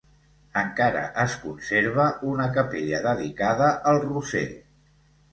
Encara es conserva una capella dedicada al Roser.